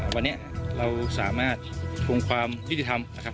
วันนี้เราสามารถทวงความยุติธรรมนะครับ